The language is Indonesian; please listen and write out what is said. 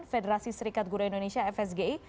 federasi serikat guru indonesia fsgi